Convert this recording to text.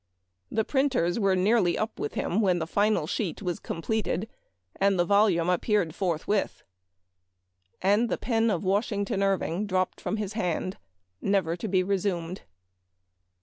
The printers were nearly up with him when the final sheet was completed, and the volume appeared forthwith. And the pen of Washington Irving dropped from his hand never to be resumed.